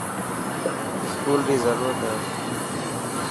اسڪول ري ضرورت هي.